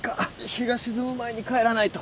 日が沈む前に帰らないと！